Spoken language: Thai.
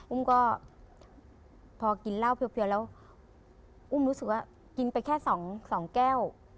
อุ้มก็พอกินเหล้าเพียวแล้วอุ้มรู้สึกว่ากินไปแค่สองแก้ว